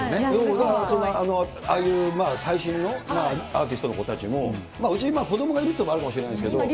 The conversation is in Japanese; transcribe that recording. だからああいう、最新のアーティストの子たちも、うち、今、子どもがいるっていうこともあるかもしれないですけれども。